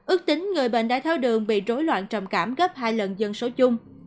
ước tính người bệnh đái tháo đường bị rối loạn trầm cảm gấp hai lần dân số chung